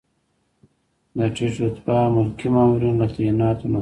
د ټیټ رتبه ملکي مامورینو له تعیناتو نظارت.